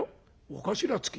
「尾頭付き？